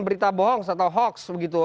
berita bohong atau hoax begitu